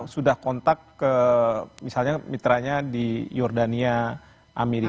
sudah kontak ke misalnya mitranya di jordania amerika